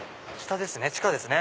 地下ですね。